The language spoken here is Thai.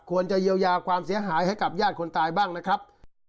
ควรจะเยียวยาความเสียหายให้กับญาติคนตายบ้างนะครับ